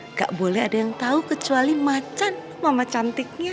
nggak boleh ada yang tahu kecuali macan mama cantiknya